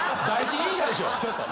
第一人者でしょ